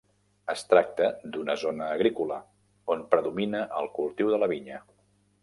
Es tracta d'una zona agrícola, on predomina el cultiu de la vinya.